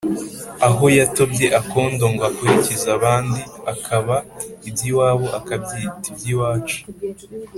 Aho yatobye akondoNgo akurikize abandi, akabaka iby’iwabo akabyita iby’iwacu